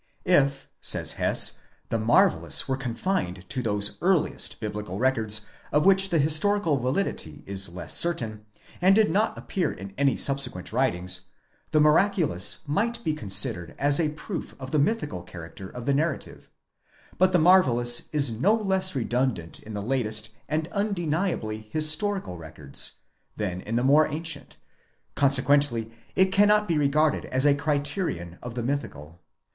If, says Hess, the marvellous were confined to those earliest biblical records of which the historical validity is less certain, and did not appear in any subsequent writings, the miraculous might be considered as a proof of the mythical character of the narrative; but the marvellous is no less redundant in the latest and undeniably historical records, than in the more ancient ; consequently it cannot be regarded as a criterion of the mythical.